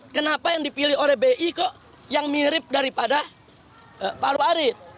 kenapa yang dipilih oleh bi kok yang mirip daripada palu arit